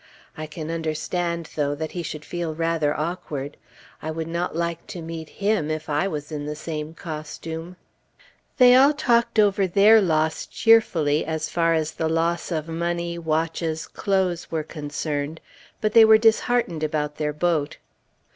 I can understand, though, that he should feel rather awkward; I would not like to meet him, if I was in the same costume. They all talked over their loss cheerfully, as far as the loss of money, watches, clothes, were concerned; but they were disheartened about their boat.